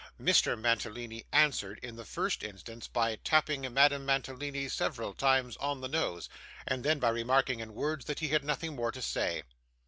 Mr. Mantalini answered, in the first instance, by tapping Madame Mantalini several times on the nose, and then, by remarking in words that he had nothing more to say.